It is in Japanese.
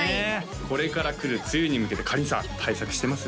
これから来る梅雨に向けてかりんさん対策してます？